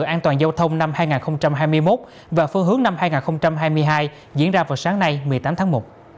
an toàn giao thông năm hai nghìn hai mươi một và phương hướng năm hai nghìn hai mươi hai diễn ra vào sáng nay một mươi tám tháng một